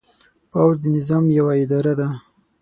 پوځ د نظام یوه اداره ده.